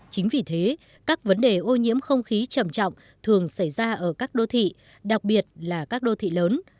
chính vì thế các vấn đề ô nhiễm không khí trầm trọng thường xảy ra ở các đô thị đặc biệt là các đô thị lớn